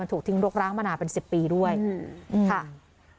มันถูกทิ้งโรคร้าวมานานเป็นสิบปีด้วยอืมค่ะ